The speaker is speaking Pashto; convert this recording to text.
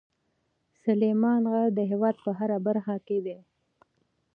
سلیمان غر د هېواد په هره برخه کې دی.